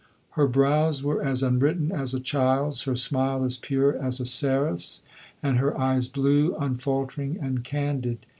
Her brows were as unwritten as a child's, her smile as pure as a seraph's, and her eyes blue, unfaltering and candid.